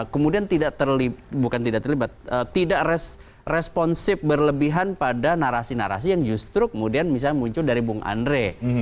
kemudian bukan tidak terlibat tidak responsif berlebihan pada narasi narasi yang justru kemudian misalnya muncul dari bung andre